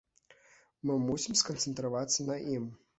Мы мусім сканцэнтравацца на ім.